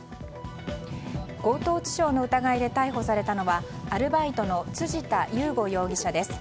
強盗致傷の疑いで逮捕されたのはアルバイトの辻田雄吾容疑者です。